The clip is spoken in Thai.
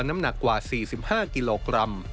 น้ำหนักกว่า๔๕กิโลกรัม